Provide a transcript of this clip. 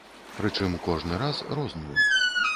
Прычым кожны раз розную.